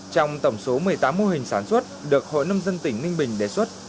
trong tổng số một mươi tám mô hình sản xuất được hội nông dân tỉnh ninh bình đề xuất